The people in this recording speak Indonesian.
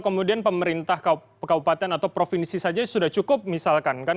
kemudian pemerintah kabupaten atau provinsi saja sudah cukup misalkan kan